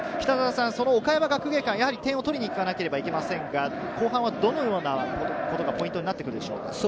その岡山学芸館、点を取りに行かなければいけませんが、後半はどのようなことがポイントになってくるでしょうか。